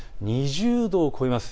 ２０度を超えます。